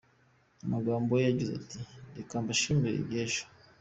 Mu magambo ye agize ati “Reka mbashimire iby’ejo.